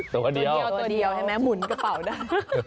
ตัวเดียวหมุนกระเป๋าได้